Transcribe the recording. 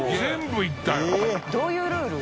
どういうルール？